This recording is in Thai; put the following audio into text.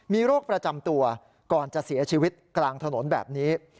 มีโรคประจำตัวก่อนจะเสียชีวิตกลางถนนแบบนี้